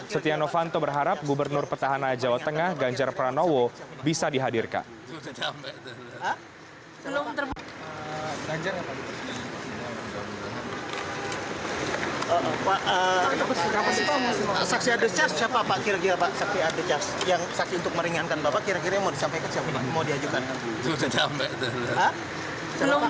setia novanto berharap gubernur petahana jawa tengah ganjarapra novo bisa dihadirkan